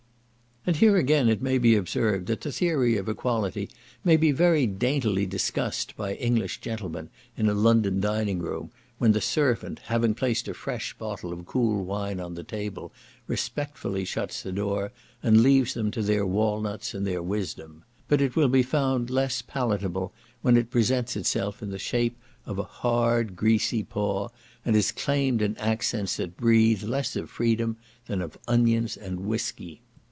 And here again it may be observed, that the theory of equality may be very daintily discussed by English gentlemen in a London dining room, when the servant, having placed a fresh bottle of cool wine on the table, respectfully shuts the door, and leaves them to their walnuts and their wisdom; but it will be found less palatable when it presents itself in the shape of a hard, greasy paw, and is claimed in accents that breathe less of freedom than of onions and whiskey.